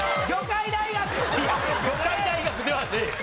いや魚介大学ではねえよ。